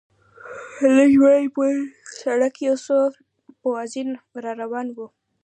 لږ وړاندې پر سړک یو څو پوځیان را روان و.